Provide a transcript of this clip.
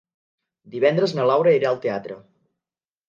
Divendres na Laura irà al teatre.